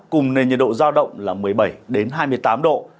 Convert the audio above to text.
cùng nền nhiệt độ giao động là một mươi bảy hai mươi tám độ